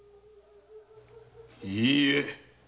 いいえ。